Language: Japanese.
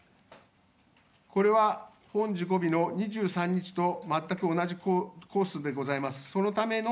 これは本事故日の２３日と全く同じコースでございます。